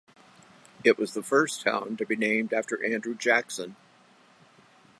It was the first town to be named after Andrew Jackson.